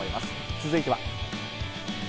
続いては。